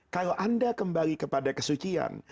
kalau anda kembali kepada kesucian